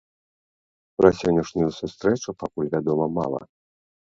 Пра сённяшнюю сустрэчу пакуль вядома мала.